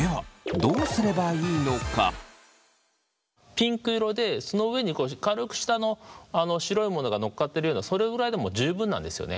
ピンク色でその上に軽く舌の白いものがのっかってるようなそれぐらいでも十分なんですよね。